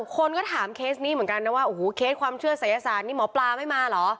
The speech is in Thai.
คนก็ถามเคสนี้เหมือนกันนะว่าโอ้โหเคสความเชื่อศัยศาสตร์นี่หมอปลาไม่มาเหรอ